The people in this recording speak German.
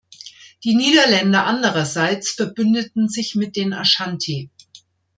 Die Niederländer andererseits verbündeten sich mit den Aschanti.